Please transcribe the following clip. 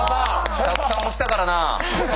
たくさん押したからなあ。